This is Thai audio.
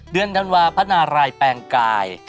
เดือนธันวาพระนารายแปลงกาย